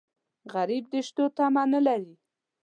غریب د شتو تمه نه لري